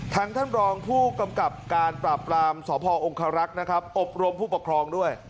ท่านรองผู้กำกับการปราบปรามสพองคารักษ์นะครับอบรมผู้ปกครองด้วย